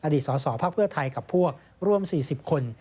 อดีตสอสอภักดิ์เพื่อไทยกับพวกร่วมสี่สิบคน